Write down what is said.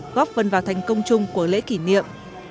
góp phần vào thành công chung của lễ kỷ niệm